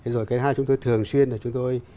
rồi cái hai chúng tôi thường xuyên là chúng tôi